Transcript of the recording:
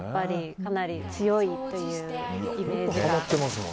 かなり強いというイメージが。